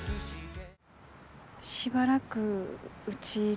しばらくうちいる？